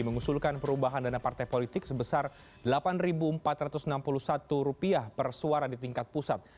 mengusulkan perubahan dana partai politik sebesar rp delapan empat ratus enam puluh satu per suara di tingkat pusat